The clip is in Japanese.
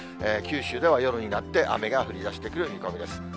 九州では夜になって、雨が降りだしてくる見込みです。